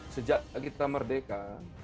sejak kita merdeka